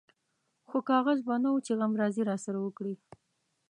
خو کاغذ به نه و چې غمرازي راسره وکړي.